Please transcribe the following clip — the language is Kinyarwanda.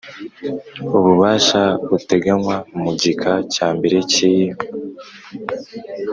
ububasha uteganywa mu gika cya mbere cy iyi